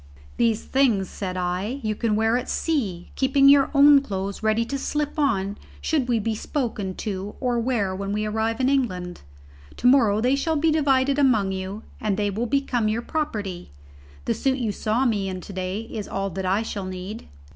"These things," said I, "you can wear at sea, keeping your own clothes ready to slip on should we be spoken or to wear when we arrive in England. To morrow they shall be divided among you, and they will become your property. The suit you saw me in to day is all that I shall need."